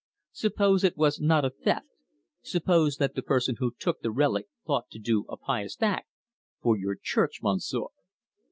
Suppose it was not a theft. Suppose that the person who took the relic thought to do a pious act for your Church, Monsieur?"